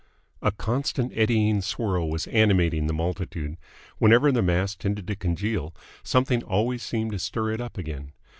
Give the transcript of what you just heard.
A constant eddying swirl was animating the multitude. Whenever the mass tended to congeal, something always seemed to stir it up again.